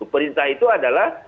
perintah itu adalah